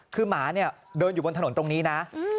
คือหมาเนี่ยเดินอยู่บนถนนตรงนี้นะ